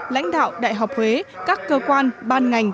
lãnh đạo đại học huế các cơ quan ban ngành